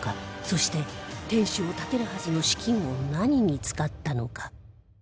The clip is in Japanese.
そして天守を建てるはずの資金を何に使ったのか？